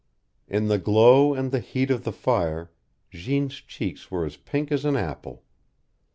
In the glow and the heat of the fire Jeanne's cheeks were as pink as an apple.